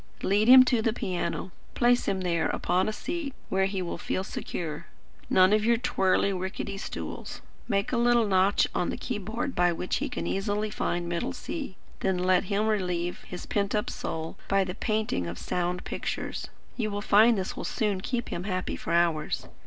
Lead him to the piano. Place him there upon a seat where he will feel secure; none of your twirly, rickety stools. Make a little notch on the key board by which he can easily find middle C. Then let him relieve his pent up soul by the painting of sound pictures. You will find this will soon keep him happy for hours.